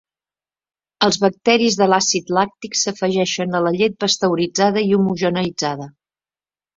Els bacteris de l'àcid làctic s'afegeixen a la llet pasteuritzada i homogeneïtzada.